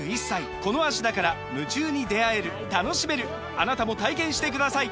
あなたも体験してください！